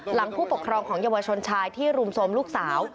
ผู้ปกครองของเยาวชนชายที่รุมโทรมลูกสาว